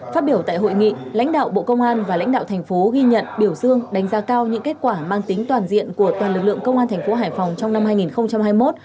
phát biểu tại hội nghị lãnh đạo bộ công an và lãnh đạo thành phố ghi nhận biểu dương đánh giá cao những kết quả mang tính toàn diện của toàn lực lượng công an thành phố hải phòng trong năm hai nghìn hai mươi một